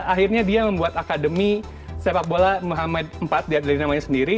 akhirnya dia membuat akademi sepak bola muhammad iv dari namanya sendiri